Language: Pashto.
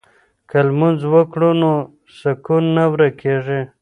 که لمونځ وکړو نو سکون نه ورکيږي.